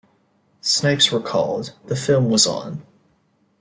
Snipes recalled, The film was on.